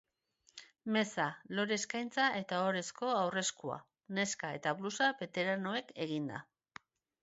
Meza, lore-eskaintza eta ohorezko aurreskua, neska eta blusa beteranoek eginda.